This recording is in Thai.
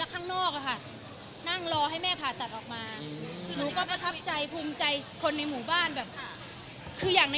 ข้างนอกค่ะนั่งรอให้แม่ภาษาออกมาก็ประทับใจภูมิใจคนในหมู่บ้านแบบคืออย่าง